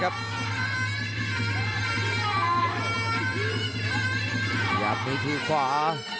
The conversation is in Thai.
พยายามมีที่ขวา